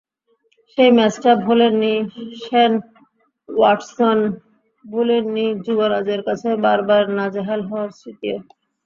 সেই ম্যাচটা ভোলেননি Shane Watson, ভোলেননি যুবরাজের কাছে বারবার নাজেহাল হওয়ার স্মৃতিও।